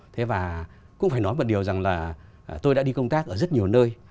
thế và cũng phải nói một điều rằng là tôi đã đi công tác ở rất nhiều nơi